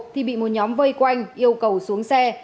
thì bị một nhóm vây quanh yêu cầu xuống xe